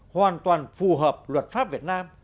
hoàn toàn phù hợp luật pháp việt nam